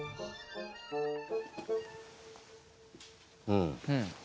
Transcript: うん。